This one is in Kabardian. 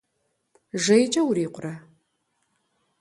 Жейкӏэ урикъурэ?